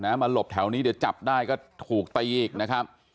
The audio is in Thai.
มาหลบแถวนี้เดี๋ยวจับได้ก็ถูกตีอีกนะครับ